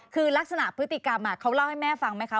คือลักษณะพฤติกรรมเขาเล่าให้แม่ฟังไหมคะ